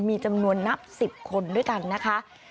มีจำนวนนับ๑๐คนด้วยกันนะคะ